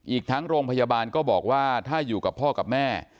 อีกทั้งโรงพยาบาลก็บอกว่าถ้าอยู่กับพ่อกับแม่